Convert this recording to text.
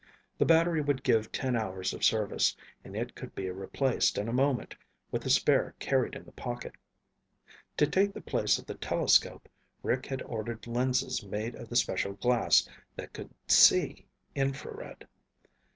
The battery would give ten hours of service, and it could be replaced in a moment with a spare carried in the pocket. To take the place of the telescope, Rick had ordered lenses made of the special glass that could "see" infrared.